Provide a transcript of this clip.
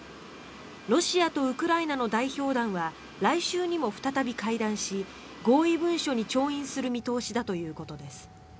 ロシアとウクライナの代表団は来週にも再び会談し合意文書に調印する見通しだということです。